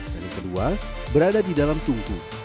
dan yang kedua berada di dalam tungku